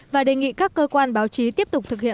và đề nghị các cơ quan báo chí tiếp tục thực hiện